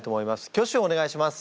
挙手をお願いします。